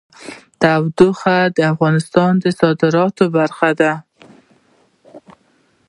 تودوخه د افغانستان د صادراتو برخه ده.